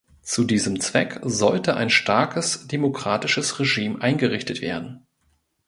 Zu diesem Zweck sollte ein starkes demokratisches Regime eingerichtet werden.